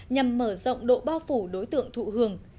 nhằm mở rộng độ bao phủ đối tượng thụ hưởng